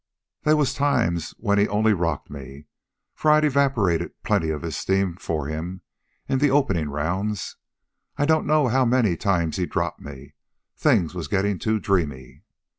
They was times when he only rocked me, for I'd evaporated plenty of his steam for him in the openin' rounds. I don't know how many times he dropped me. Things was gettin' too dreamy....